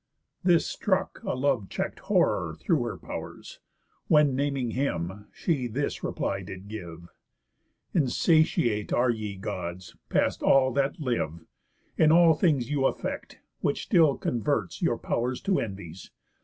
This struck a love check'd horror through her pow'rs, When, naming him, she this reply did give: "Insatiate are ye Gods, past all that live, In all things you affect; which still converts Your pow'rs to envies.